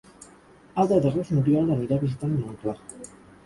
El deu d'agost n'Oriol anirà a visitar mon oncle.